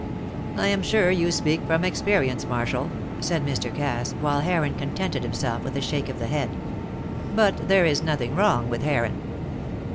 "I am sure you speak from experience, Marshall, said Mr. Cass, while Heron contented himself with a shake of the head. But there is nothing wrong with Heron."